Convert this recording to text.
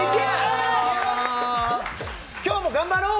今日も頑張ろう！